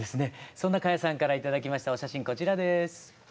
そんな花耶さんから頂きましたお写真こちらです。